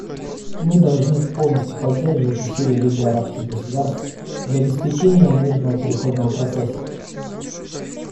Мы должны полностью поддержать усилия Лиги арабских государств для обеспечения мирного переходного процесса.